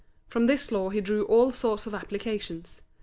From this law he drew all sorts of applications.